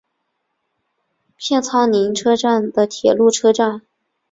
片仓町车站的铁路车站。